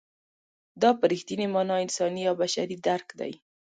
دا په رښتینې مانا انساني او بشري درک دی.